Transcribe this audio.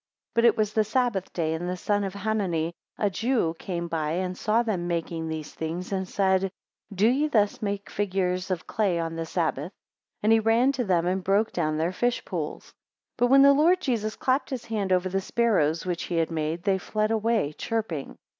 18 But it was the Sabbath day, and the son of Hanani a Jew came by, and saw them making these things, and said, Do ye thus make figures of clay on the Sabbath? And he ran to them, and broke down their fish pools. 19 But when the Lord Jesus clapped his hands over the sparrows which he had made, they fled away chirping.